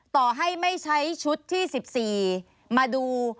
ต่อให้ไม่ใช้ชุดที่๑๔มาดู